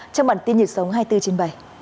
trong bản tin nhịp sống hai mươi bốn trên bảy